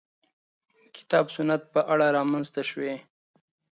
کتاب سنت په اړه رامنځته شوې.